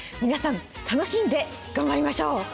皆さん楽しんで頑張りましょう！